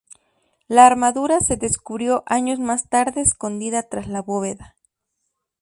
La armadura se descubrió años más tarde escondida tras la bóveda.